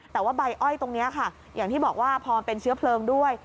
แต่ว่าใบอ้อยตรงนี้ค่ะอย่างที่บอกว่าพอมันเป็นเชื้อเพลิงด้วย